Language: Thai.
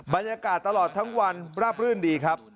บรรยากาศตลอดทั้งวันราบรื่นดีครับ